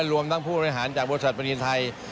รวมทั้งผู้บริหารจากบริษัทปรินไทย